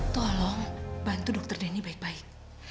tolong bantu dokter denny baik baik